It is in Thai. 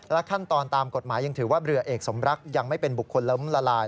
ขั้นตอนตามกฎหมายยังถือว่าเรือเอกสมรักยังไม่เป็นบุคคลล้มละลาย